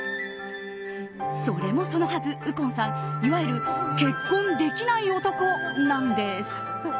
それもそのはず、右近さんいわゆる結婚できない男なんです。